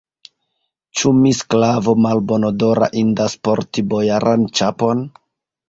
Ĉu mi, sklavo malbonodora, indas porti bojaran ĉapon?